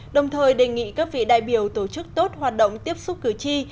đồng thời đề nghị các vị đại biểu tổ chức tốt hoạt động tiếp xúc cử tri